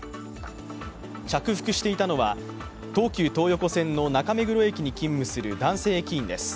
着服していたのは東急東横線の中目黒駅に勤務する男性駅員です。